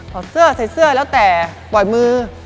อดเสื้อใส่เสื้อแล้วแต่ปล่อยมือ